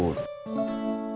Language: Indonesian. kita harus lembut